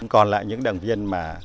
còn lại những đảng viên mà